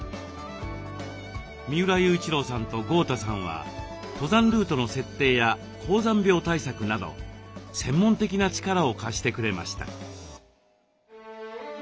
三浦雄一郎さんと豪太さんは登山ルートの設定や高山病対策など専門的な力を貸してくれました。